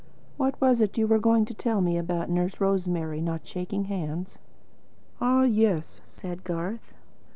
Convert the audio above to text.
What was it you were going to tell me about Nurse Rosemary not shaking hands?" "Ah, yes," said Garth.